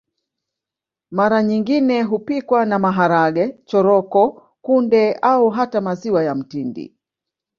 Mara nyingine hupikwa na maharage choroko kunde au hata maziwa ya mtindi